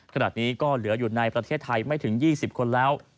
ขณะนี้ก็เหลืออยู่ในประเทศไทยไม่ถึง๒๐คนแล้ว